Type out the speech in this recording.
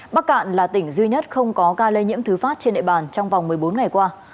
bắc cạn là tỉnh duy nhất không có ca lây nhiễm thứ phát trên địa bàn trong vòng một mươi bốn ngày qua